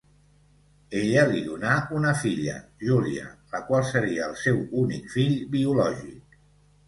Ella li donà una filla, Júlia, la qual seria el seu únic fill biològic.